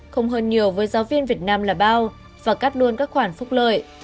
không hơn nhiều với giáo viên việt nam là bao và cắt luôn các khoản phúc lợi